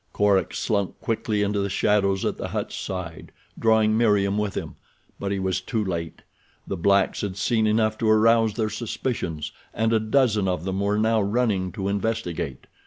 Korak slunk quickly into the shadows at the hut's side, drawing Meriem with him; but he was too late. The blacks had seen enough to arouse their suspicions and a dozen of them were now running to investigate.